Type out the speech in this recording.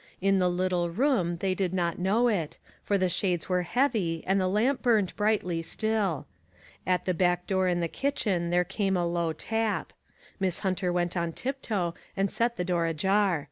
In the little room they did not know it, for the shades were heavy and the lamp burned brightly still. At the back door in the kitchen there came a low tap. Miss Hunter went on tiptoe and set the door ajar.